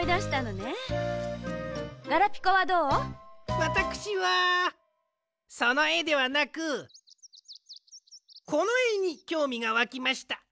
わたくしはそのえではなくこのえにきょうみがわきました。